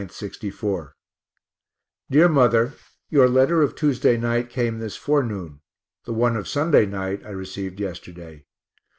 _ DEAR MOTHER Your letter of Tuesday night came this forenoon the one of Sunday night I received yesterday.